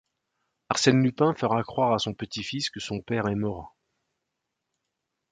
Arsène Lupin fera croire à son petit-fils que son père est mort.